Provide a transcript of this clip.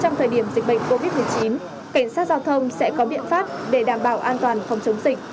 trong thời điểm dịch bệnh covid một mươi chín cảnh sát giao thông sẽ có biện pháp để đảm bảo an toàn phòng chống dịch